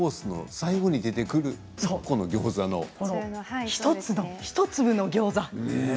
最後に出てくる１粒のギョーザ。